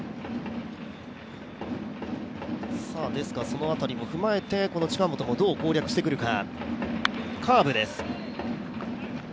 その辺りも踏まえて、近本がどう攻略してくるか。